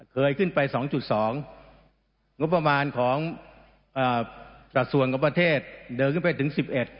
เคยขึ้นไป๒๒งบังกระหล่อมาตัดส่วนกับประเทศเดินขึ้นไปถึง๑๑